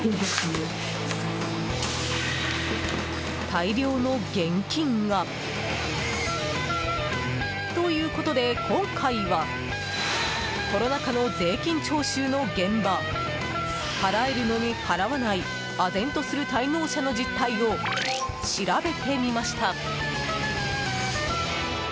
大量の現金が。ということで、今回はコロナ禍の税金徴収の現場払えるのに払わないあぜんとする滞納者の実態を調べてみました。